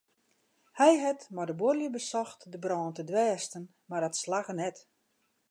Hy hat mei de buorlju besocht de brân te dwêsten mar dat slagge net.